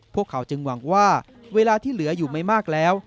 พวกเขาจึงหวังว่าเวลาที่เหลืออยู่ไม่มากแล้ว